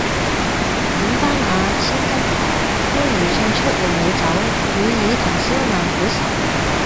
五花馬，千金裘，呼兒將出換美酒，與爾同銷萬古愁